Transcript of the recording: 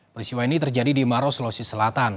perisiwa ini terjadi di maros losi selatan